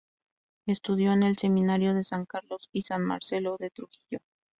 Estudió en el Seminario de San Carlos y San Marcelo, de Trujillo.